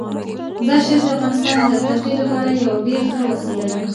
مزارشریف د افغانانو د تفریح لپاره یوه ډیره ښه وسیله ده.